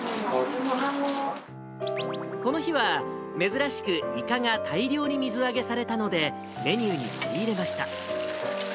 この日は、珍しくイカが大漁に水揚げされたので、メニューに取り入れました。